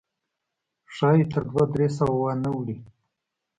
ښایي تر دوه درې سوه وانه وړي.